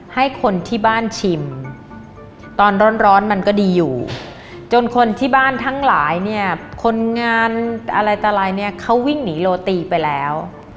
ให้คนที่บ้านชิมตอนร้อนมันก็ดีอยู่จนคนที่บ้านทั้งหลายเนี่ยคนงานอะไรตรายเนี่ยเขาวิ่งหนีโรตีไปแล้ว